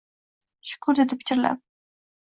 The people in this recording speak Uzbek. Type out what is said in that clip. Shukr, dedi pichirlab